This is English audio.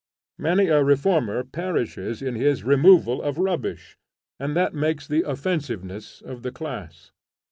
Many a reformer perishes in his removal of rubbish; and that makes the offensiveness of the class.